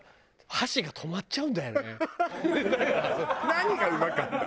何がうまかった？